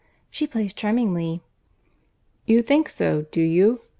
She plays charmingly." "You think so, do you?